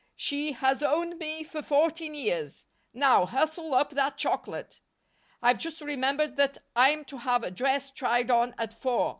She has owned me for fourteen years. Now, hustle up that chocolate. I've just remembered that I'm to have a dress tried on at four.